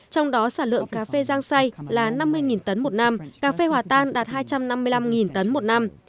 trong đó sản lượng cà phê giang say là năm mươi tấn một năm cà phê hòa tan đạt hai trăm năm mươi năm tấn một năm